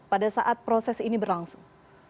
pada saat proses ini berlangsung